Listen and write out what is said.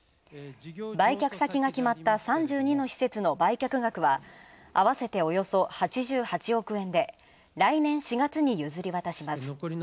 売却先が決まった３２の施設の売却額は合わせて、およそ８８億円で来年４月に譲り渡します。